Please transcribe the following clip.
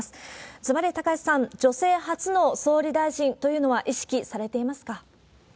ずばり高市さん、女性初の総理大臣というのは意識されていますか？